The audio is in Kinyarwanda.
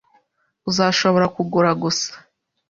Uzashobora kugura gusa.